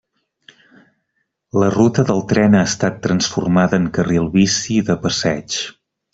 La ruta del tren ha estat transformada en carril bici i de passeig.